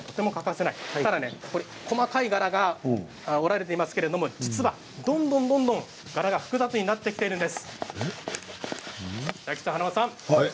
細かい柄が織られていますけれどもどんどん柄が複雑になってきているんです。